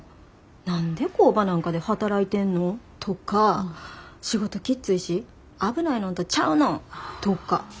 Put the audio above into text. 「何で工場なんかで働いてんの？」とか「仕事きっついし危ないのんとちゃうの」とか。